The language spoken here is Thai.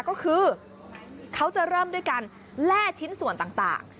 ก็คือเขาจะเริ่มด้วยการแล่ชิ้นส่วนต่าง